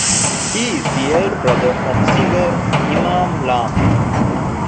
He is the elder brother of singer Eman Lam.